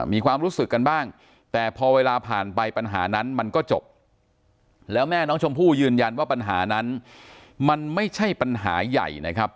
มีความรู้สึกกันบ้างแต่พอเวลาผ่านไปปัญหานั้นมันก็จบแล้วแม่น้องชมพู่ยืนยันว่าปัญหานั้นมันไม่ใช่ปัญหาใหญ่นะครับ